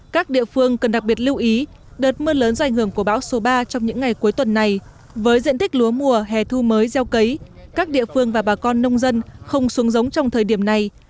các địa phương cần đặc biệt lưu ý đợt mưa lớn do ảnh hưởng của bão số ba trong những ngày cuối tuần này với diện tích lúa mùa hè thu mới gieo cấy các địa phương và bà con nông dân không xuống giống trong thời điểm này